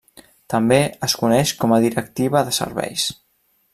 També es coneix com a Directiva de Serveis.